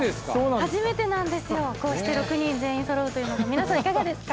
初めてなんですよこうして６人全員揃うというのは皆さんいかがですか？